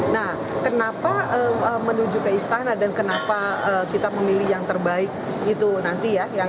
nah kenapa menuju ke istana dan kenapa kita memilih yang terbaik itu nanti ya